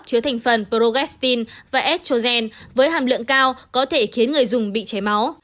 chứa thành phần progestin và estrogen với hàm lượng cao có thể khiến người dùng bị chảy máu